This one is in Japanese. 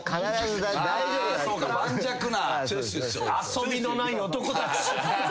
遊びのない男たち。